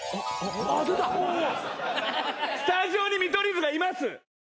スタジオに見取り図がいます。